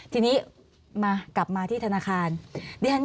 ทีนี้มากลับมาที่ธนาคารบิริทัลย้ำนะ